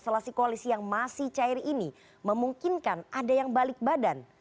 benarkah klaim koalisi perubahan tersebut atau justru konstelasi koalisi yang masih cair ini memungkinkan ada yang balik badan